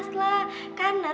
karena rumana itu suka sama robi